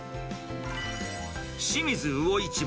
清水魚市場